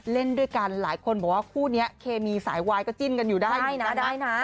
เล่นด้วยกันหลายคนบอกว่าคู่นี้เคมีสายวายก็จิ้นกันอยู่ได้นี่นะได้นะ